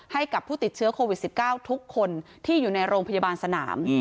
ให้กับผู้ติดเชื้อโควิด๑๙ทุกคนที่อยู่ในโรงพยาบาลสนาม